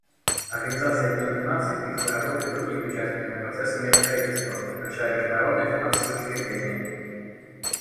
Организация Объединенных Наций призвана работать с другими участниками процесса миростроительства, включая международные финансовые учреждения.